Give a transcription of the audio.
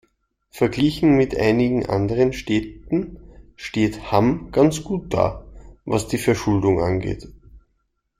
Verglichen mit einigen anderen Städten steht Hamm ganz gut da, was die Verschuldung angeht.